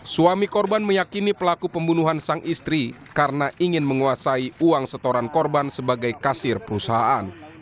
suami korban meyakini pelaku pembunuhan sang istri karena ingin menguasai uang setoran korban sebagai kasir perusahaan